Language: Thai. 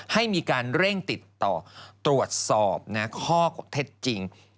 ให้มีการเร่งติดต่อตรวจสอบข้อเท็จจริง